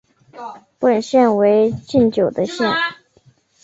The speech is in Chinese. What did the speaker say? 本县为一禁酒的县。